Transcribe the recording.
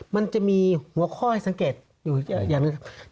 มันจะมีหัวข้อให้สังเกตอย่างนึงครับ